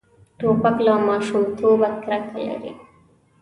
توپک له ماشومتوبه کرکه لري.